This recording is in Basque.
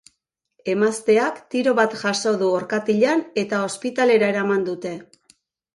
Emazteak tiro bat jaso du orkatilan eta ospitalera eraman dute.